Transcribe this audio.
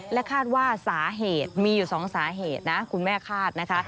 และคาดว่าสาเหตุมีอยู่๒สาเหตุนะคุณแม่คาดนะคะ